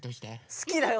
「すきだよ！」